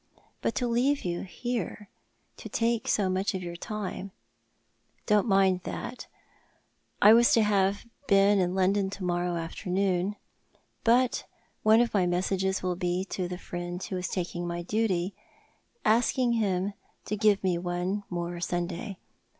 " But to leave you here — to take so much of your time." " Don't mind that. I was to have been in London to morrow afternoon ; but one of my messages will be to the friend who is taking my duty, asking him to give me one more Sunday.